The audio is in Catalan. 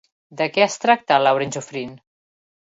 De qui es tracta Laurent Joffrin?